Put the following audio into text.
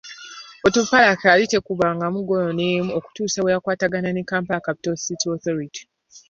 Onduparaka yali tekubwangamu ggoolo n'emu okutuusa lwe baakwatagana ne Kampala Capital city Authority.